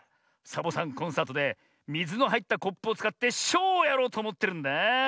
サボさんコンサートでみずのはいったコップをつかってショウをやろうとおもってるんだあ。